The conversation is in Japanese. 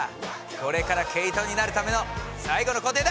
これから毛糸になるための最後の工程だ！